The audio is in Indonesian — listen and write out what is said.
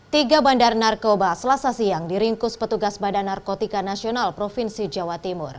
tiga bandar narkoba selasa siang diringkus petugas badan narkotika nasional provinsi jawa timur